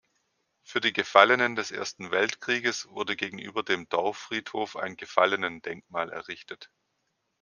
Für die Gefallenen des Ersten Weltkrieges wurde gegenüber dem Dorffriedhof ein Gefallenendenkmal errichtet.